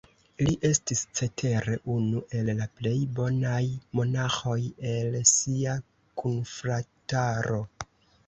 Li estis, cetere, unu el la plej bonaj monaĥoj el sia kunfrataro.